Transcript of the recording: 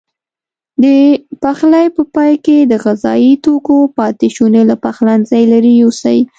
د پخلي په پای کې د غذايي توکو پاتې شونې له پخلنځي لیرې یوسئ.